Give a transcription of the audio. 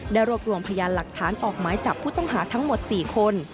รวบรวมพยานหลักฐานออกหมายจับผู้ต้องหาทั้งหมด๔คน